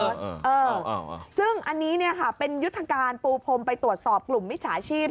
เออซึ่งอันนี้เนี่ยค่ะเป็นยุทธการปูพรมไปตรวจสอบกลุ่มมิจฉาชีพ